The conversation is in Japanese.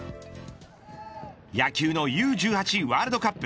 野球のＵ‐１８ワールドカップ